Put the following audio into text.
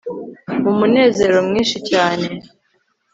mu mu munezero mwinshi cyane